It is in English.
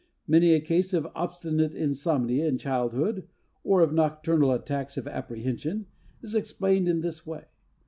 Many a case of obstinate insomnia in childhood or of nocturnal attacks of apprehension is explained in this way.